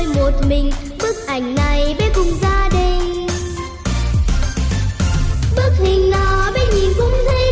giấc đông của béius